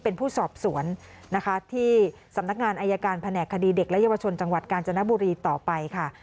เป็นผู้สอบสวนนะคะที่สำนักงานอายการแผนกคดีเด็กและเยาวชนจังหวัดกาญจนบุรีต่อไปค่ะ